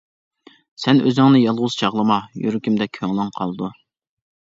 سەن ئۆزۈڭنى يالغۇز چاغلىما، يۈرىكىمدە كۆڭلۈڭ قالىدۇ.